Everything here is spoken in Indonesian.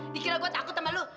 dikira gue takut sama lo